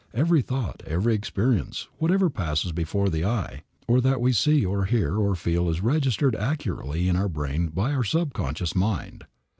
Every thought, every experience, whatever passes before the eye, or that we see or hear or feel is registered accurately in our brain by our subconscious mind.